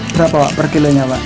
berapa pak per kilonya pak